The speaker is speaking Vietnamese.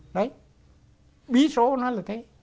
đấy bí số nó là thế